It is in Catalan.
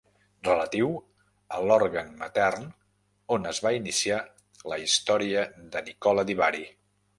Relatiu a l'òrgan matern on es va iniciar la història de Nicola di Bari.